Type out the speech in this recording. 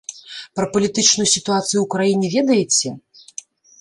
Пра палітычную сітуацыю ў краіне ведаеце?